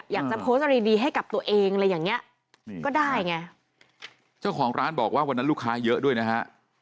อยากจะโพสต์อะไรดีให้กับตัวเองอะไรอย่างเงี้ยก็ได้ไงเจ้าของร้านบอกว่าวันนั้นลูกค้าเยอะด้วยนะฮะ